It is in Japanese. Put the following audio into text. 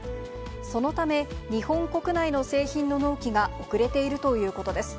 そのため、日本国内の製品の納期が遅れているということです。